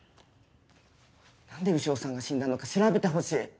何で潮さんが死んだのか調べてほしい。